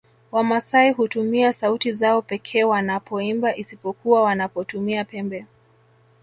Wamasai hutumia sauti zao pekee wanapoimba isipokuwa wanapotumia pembe